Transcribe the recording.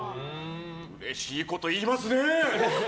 うれしいこと言いますね！